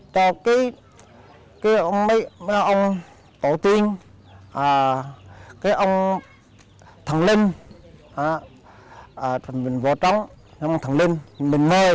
thằng linh mình mời